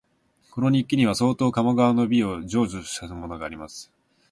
この日記には、相当鴨川の美を叙述したものがあります